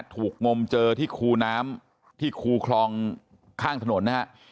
งมเจอที่คูน้ำที่คูคลองข้างถนนนะฮะ